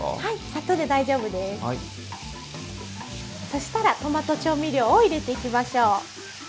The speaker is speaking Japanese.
そしたらトマト調味料を入れていきましょう。